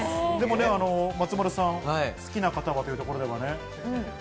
松丸さん、好きな方はというところで。